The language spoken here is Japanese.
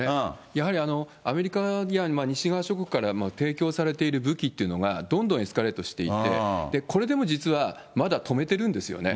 やはり、アメリカ、西側諸国から提供されている武器というのが、どんどんエスカレートしていって、これでも実はまだ止めてるんですよね。